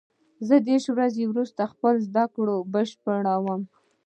زه دېرش ورځې وروسته خپله زده کړه بشپړوم.